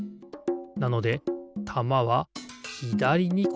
なのでたまはひだりにころがる。